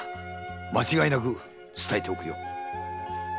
間違いなく伝えておくよ。